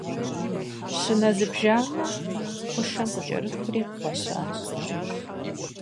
Щынэ зыбжанэ хъушэм къыкӀэрыхури, гъуэщащ.